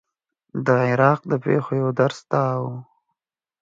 د عراق د پېښو یو درس دا و.